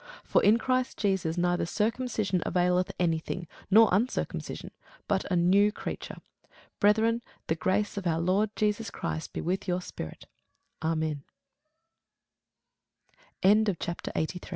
For in Christ Jesus neither circumcision availeth any thing, nor uncircumcision, but a new creature. Brethren, the grace of our Lord Jesus Christ be with your spirit. Amen. CHAPTER 84